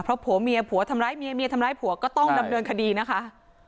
เพราะผัวเมียผัวทำร้ายเมียเมียทำร้ายผัวก็ต้องดำเนินคดีนะคะ